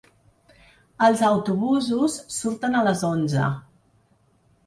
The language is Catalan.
Els autobusos surten a les onze.